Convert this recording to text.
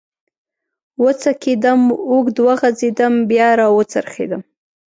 و څکېدم، اوږد وغځېدم، بیا را و څرخېدم.